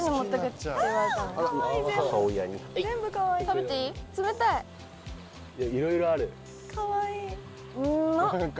食べていい？